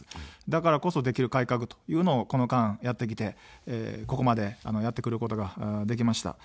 だからこそ、できる改革というのを、この間やってきて、ここまでやってくることができました。